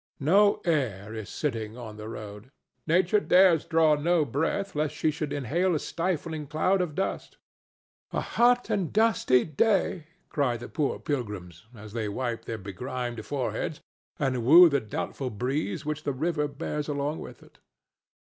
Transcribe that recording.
No air is stirring on the road. Nature dares draw no breath lest she should inhale a stifling cloud of dust. "A hot and dusty day!" cry the poor pilgrims as they wipe their begrimed foreheads and woo the doubtful breeze which the river bears along with it.